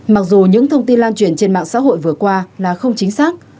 mặc dù những thông tin lan truyền trên mạng xã hội vừa qua là không chính xác